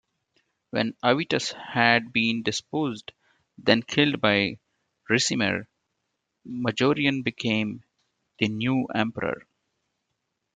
When Avitus had been deposed-then killed-by Ricimer, Majorian became the new emperor.